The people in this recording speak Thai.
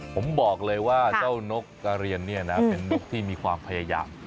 ผมบอกเลยว่าเจ้านกกระเรียนเนี่ยนะเป็นนกที่มีความพยายาม